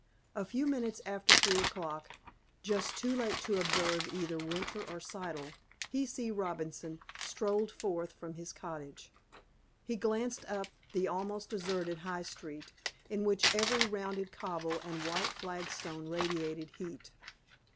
A few minutes after three o'clock—just too late to observe either Winter or Siddle—P. C. Robinson strolled forth from his cottage. He glanced up the almost deserted high street, in which every rounded cobble and white flagstone radiated heat.